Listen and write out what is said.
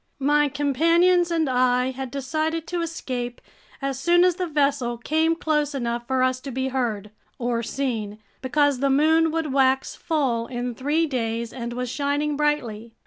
My companions and I had decided to escape as soon as the vessel came close enough for us to be heard—or seen, because the moon would wax full in three days and was shining brightly.